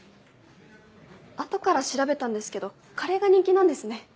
後から調べたんですけどカレーが人気なんですね。